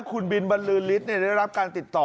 คุณบินบรรลือฤทธิ์ได้รับการติดต่อ